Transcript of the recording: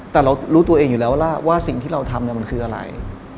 แต่เรารู้ตัวเองอยู่แล้วว่าสิ่งที่เราทำมันคืออะไร